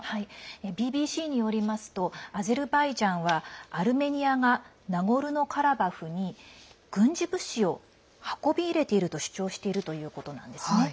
ＢＢＣによりますとアゼルバイジャンはアルメニアがナゴルノカラバフに軍事物資を運び入れていると主張しているということなんです。